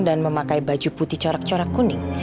dan memakai baju putih corak corak kuning